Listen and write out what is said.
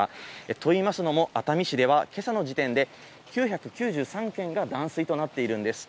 といいますのも、熱海市ではけさの時点で、９９３軒が断水となっているんです。